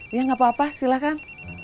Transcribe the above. iya gak apa apa silahkan